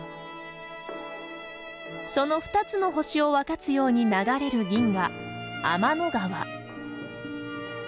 その２つの星を分かつように流れる銀河、天の川。